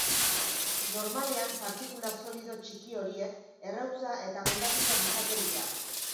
Normalean partikula solido txiki horiek errautsa eta hondakinak izaten dira.